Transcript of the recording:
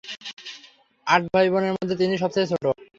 আট ভাই-বোনের মধ্যে তিনিই সবচেয়ে ছোট।